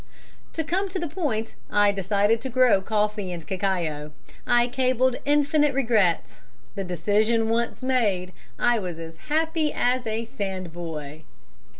"To come to the point, I decided to grow coffee and cacao. I cabled infinite regrets. The decision once made, I was happy as a sandboy.